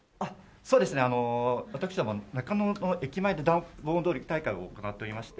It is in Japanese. そうですね私ども中野の駅前で盆踊り大会を行っておりまして。